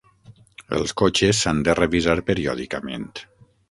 Els cotxes s'han de revisar periòdicament.